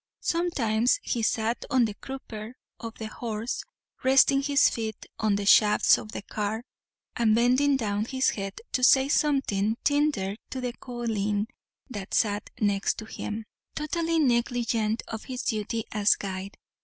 Sometimes he sat on the crupper of the horse, resting his feet on the shafts of the car, and bending down his head to say something tindher to the colleen that sat next him, totally negligent of his duty as guide.